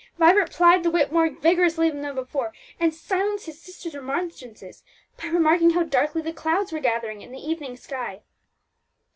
Vibert plied the whip more vigorously than before, and silenced his sister's remonstrances by remarking how darkly the clouds were gathering in the evening sky.